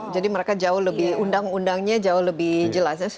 jadi mereka jauh lebih undang undangnya jauh lebih jelas